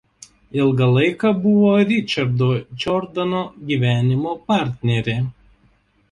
Ilgą laiką buvo Richardo Jordano gyvenimo partnerė.